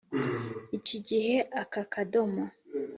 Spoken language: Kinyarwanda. iki gihe, aka kadomo